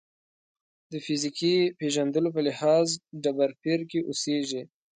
د فیزیکي پېژندلو په لحاظ ډبرپېر کې اوسېږي.